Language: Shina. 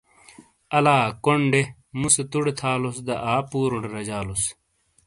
آلا کونڈے موسے توڈے تھالوس دا آپوروٹے رجالوس۔